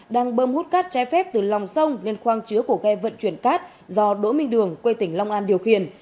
đang bơm hút cát trái phép từ lòng sông lên khoang chứa của ghe vận chuyển cát do đỗ minh đường quê tỉnh long an điều khiển